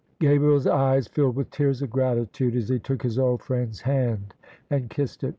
Gabriel's eyes filled with tears of gratitude as he took his old friend's hand and kissed it.